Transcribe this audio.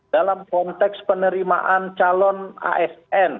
dalam konteks penerimaan calon asn